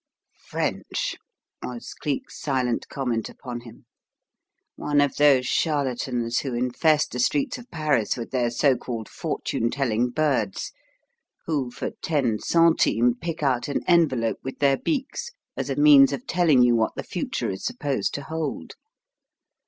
"French!" was Cleek's silent comment upon him. "One of those charlatans who infest the streets of Paris with their so called 'fortune telling birds,' who, for ten centimes, pick out an envelope with their beaks as a means of telling you what the future is supposed to hold.